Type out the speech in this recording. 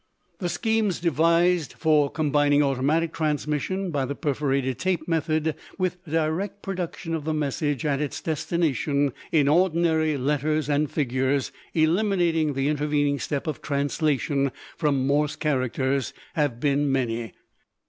The schemes devised for combining automatic transmission by the perforated tape method with direct production of the message at its destination in ordinary letters and figures, eliminating the intervening step of translation from Morse characters, have been many.